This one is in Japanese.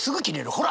ほら！」